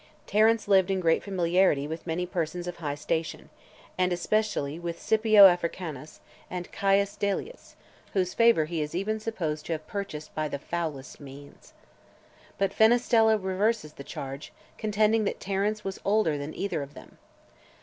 Terence lived in great familiarity with many persons of high station, and especially with Scipio Africanus, and Caius Delius, whose favour he is even supposed to have purchased by the foulest means. But Fenestella reverses the charge, contending that Terence was older than either of them.